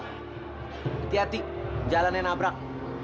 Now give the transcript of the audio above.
hati hati jalannya nabrak